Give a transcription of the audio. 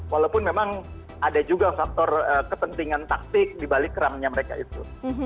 walaupun memang ada juga faktor kepentingan taktik di balik keramnya mereka itu